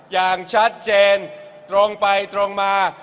อย่างชัดเจนตรงไปตรงมา